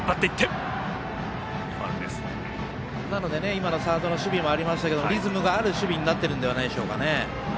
今のサードの守備もありましたけどリズムがある守備になっているのではないでしょうか。